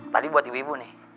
tadi buat ibu ibu nih